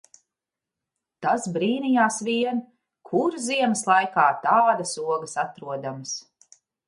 Tas brīnījās vien, kur ziemas laikā tādas ogas atrodamas.